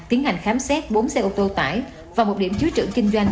tiến hành khám xét bốn xe ô tô tải và một điểm thứ trưởng kinh doanh